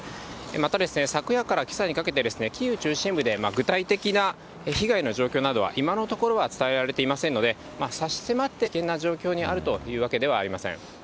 また昨夜からけさにかけて、キーウ中心部で具体的な被害の状況などは、今のところは伝えられていませんので、差し迫って危険な状況にあるというわけではありません。